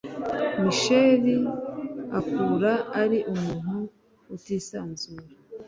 Michelle akura ari umuntu utisanzura